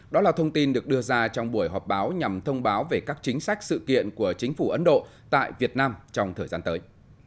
đó là thông tin được đưa ra trong buổi họp báo nhằm thông báo về các chính sách sự kiện của chính phủ ấn độ tại việt nam trong thời gian tới